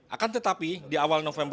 akan tetapi di awal november